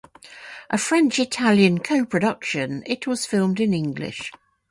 A French-Italian co-production, it was filmed in English.